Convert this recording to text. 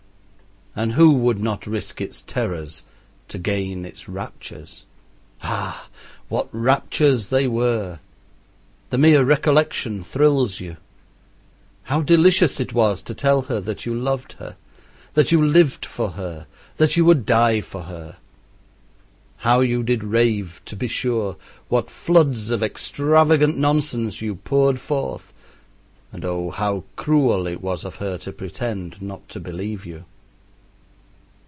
And who would not risk its terrors to gain its raptures? Ah, what raptures they were! The mere recollection thrills you. How delicious it was to tell her that you loved her, that you lived for her, that you would die for her! How you did rave, to be sure, what floods of extravagant nonsense you poured forth, and oh, how cruel it was of her to pretend not to believe you!